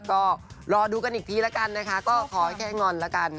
ก็รอดูกันอีกทีนะคะก็ขอแค่งอนแล้วกัน